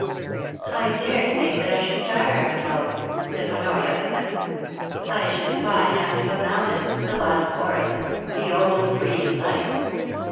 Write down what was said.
* I dare say that I should tire of it all,' said Honoria, at length. * I should pine after the mountains, the wild forests, the old free life.